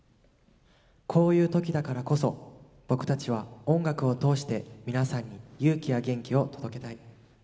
こういう時だからこそ僕たちは音楽を通して皆さんに勇気や元気を届けたい。